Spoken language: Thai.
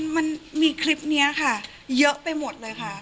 มันมีคลิปนี้ค่ะเยอะไปหมดเลยค่ะ